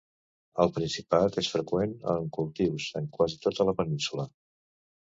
Al Principat és freqüent en cultius, en quasi tota la península.